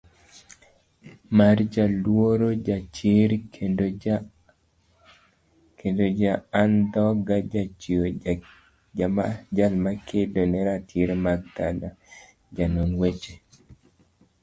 marJaluoro, jachir, kendoja andhoga Jachiwo, jalmakedo neratiro mag dhano, janon weche